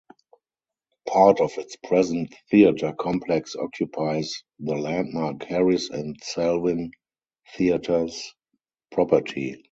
Part of its present theater complex occupies the landmark Harris and Selwyn Theaters property.